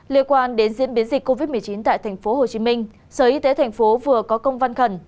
liên quan đến diễn biến dịch covid một mươi chín tại tp hcm sở y tế tp vừa có công văn khẩn